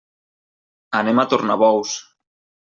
Anem a Tornabous.